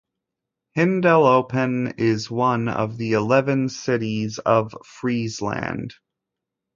Hindeloopen is one of the eleven cities of Friesland.